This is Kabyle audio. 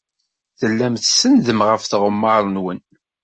Tellam tsenndem ɣef tɣemmar-nwen.